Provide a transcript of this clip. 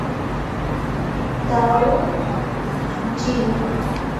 Tao Tsuchiya